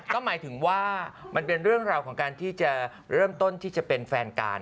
ก็หมายถึงว่ามันเป็นเรื่องของเริ่มต้นที่จะเป็นแฟนกัน